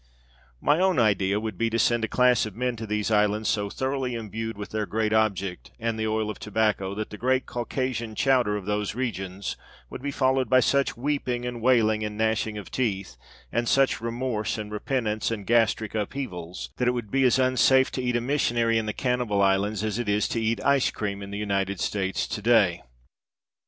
My own idea would be to send a class of men to these islands so thoroughly imbued with their great object and the oil of tobacco that the great Caucasian chowder of those regions would be followed by such weeping and wailing and gnashing of teeth and such remorse and repentance and gastric upheavals that it would be as unsafe to eat a missionary in the cannibal islands as it is to eat ice cream in the United States to day.